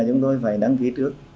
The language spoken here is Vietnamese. chúng tôi phải đăng ký trước